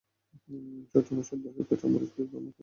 শজনে সেদ্ধ হয়ে গেলে কাঁচা মরিচ দিয়ে গা-মাখা ঝোলসমেত নামিয়ে নিন।